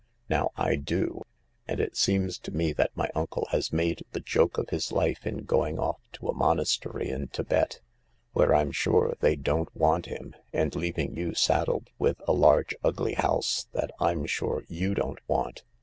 Now I do — and it seems to me that my uncle has made the joke of his life in going off to a monastery in Thibet, where Tm sure they don't want him, and leaving you saddled with a large, ugly house that I'm sure you don't want."